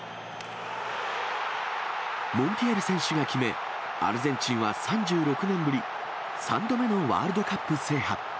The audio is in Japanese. モンティエル選手が決め、アルゼンチンは３６年ぶり３度目のワールドカップ制覇。